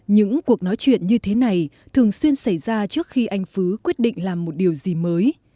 những cuộc nói chuyện như thế này thường xuyên xảy ra trước khi anh phứ quyết định làm một điều gì mới